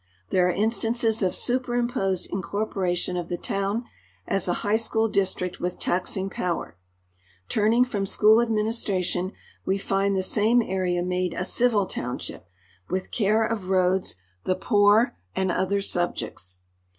There are instances of superimposed incorporation of the town as a high school district with taxing power, 'rnrn ing from school administration, we find the same area made a civil townsliip, with care of roads, the poor, and other subjects.